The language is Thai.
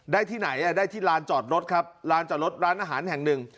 ที่ไหนได้ที่ลานจอดรถครับลานจอดรถร้านอาหารแห่งหนึ่ง